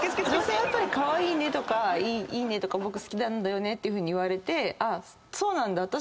女性はカワイイねとかいいねとか僕好きなんだよねっていうふうに言われてそうなんだ。